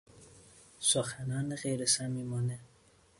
سخنان غیرصمیمانه